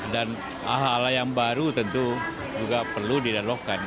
dan hal hal yang baru tentu juga perlu didalokkan